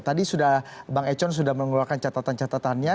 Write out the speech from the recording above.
tadi sudah bang econ sudah mengeluarkan catatan catatannya